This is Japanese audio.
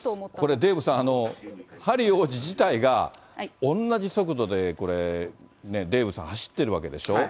デーブさん、ハリー王子自体が同じ速度でこれ、デーブさん、走ってるわけでしょ。